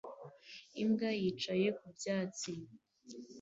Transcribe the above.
Imbwa yicaye ku byatsi